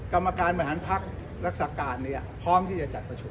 กรรมการบริหารพักรักษาการพร้อมที่จะจัดประชุม